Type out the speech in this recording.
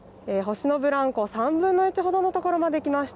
星のブランコ３分の１のほどの所まで来ました。